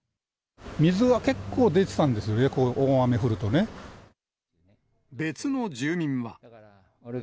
水は結構出てたんですよね、別の住民は。